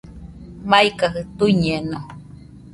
Maikajɨ tuiñeno